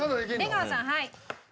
出川さんはい。